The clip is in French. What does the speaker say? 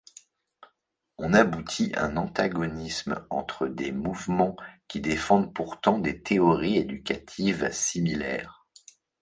On aboutit un antagonisme entre des mouvements qui défendent pourtant des théories éducatives similaires.